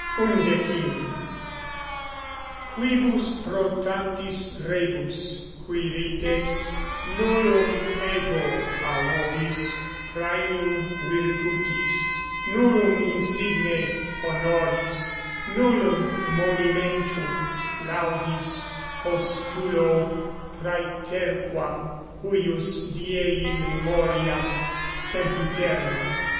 _ =11.= Quibus pro tantis rebus, Quirites, nullum ego a vobis 26 praemium virtutis, nullum insigne honoris, nullum monimentum laudis postulo praeterquam huius diei memoriam sempiternam.